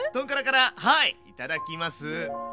はいいただきます。